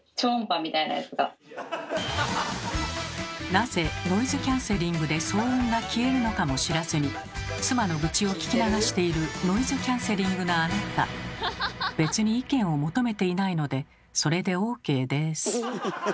なぜノイズキャンセリングで騒音が消えるのかも知らずに妻の愚痴を聞き流しているノイズキャンセリングなあなた別に意見を求めていないのでそれでＯＫです。